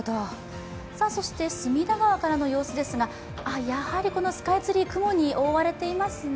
そして隅田川からの様子ですが、やはりスカイツリー、雲に覆われていますね。